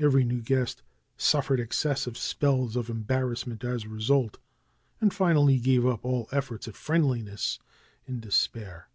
Every new guest suffered excessive spells of embarrassment as a result, and finally gave up all efforts at friendliness in despair.